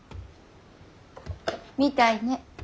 みたいね。